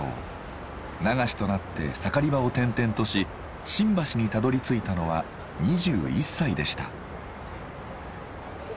流しとなって盛り場を転々とし新橋にたどりついたのは２１歳でした。